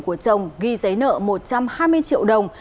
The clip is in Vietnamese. của chồng ghi giấy nợ một trăm hai mươi triệu đồng